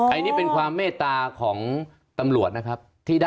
อันนี้เป็นความเมตตาของตำรวจนะครับ